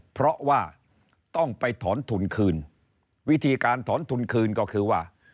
เพราะว่าต้องไปถอนทุนคืนวิธีการถอนทุนคืนก็คือว่า